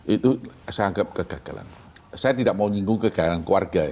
itu saya anggap kegagalan saya tidak mau nyinggung kegagalan keluarga